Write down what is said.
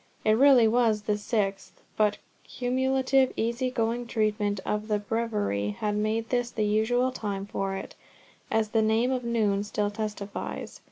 It really was the Sixth, but cumulative easy going treatment of the Breviary had made this the usual time for it, as the name of noon still testifies.